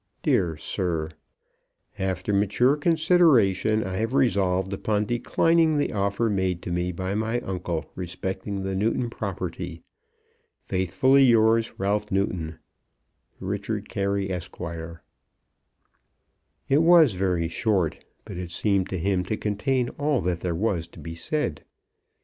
DEAR SIR, After mature consideration I have resolved upon declining the offer made to me by my uncle respecting the Newton property. Faithfully yours, RALPH NEWTON. Richard Carey, Esq. It was very short, but it seemed to him to contain all that there was to be said.